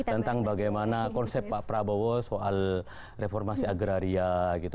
tentang bagaimana konsep pak prabowo soal reformasi agraria gitu